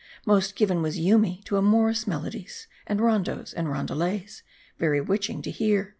Most given was Yoomy to amor ous melodies, and rondos, and roundelays, very witching to hear.